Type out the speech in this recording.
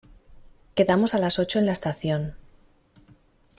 Quedamos a las ocho en la estación.